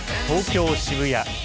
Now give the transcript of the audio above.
東京・渋谷。